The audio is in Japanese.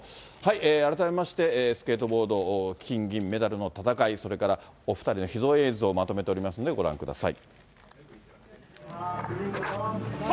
改めまして、スケートボード、金、銀メダルの戦い、それからお２人の秘蔵映像をまとめておりますので、ご覧ください。